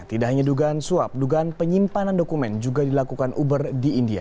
tidak hanya dugaan suap dugaan penyimpanan dokumen juga dilakukan uber di india